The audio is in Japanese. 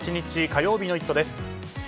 火曜日の「イット！」です。